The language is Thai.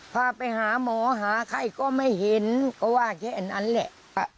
พาไปหาหมอหาใครก็ไม่เห็นก็ว่าแค่อันนั้นแหละ